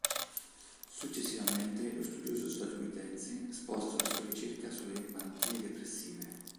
Successivamente lo studioso statunitense, sposta la sua ricerca sulle malattie depressive.